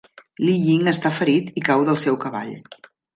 Li Ying està ferit i cau del seu cavall.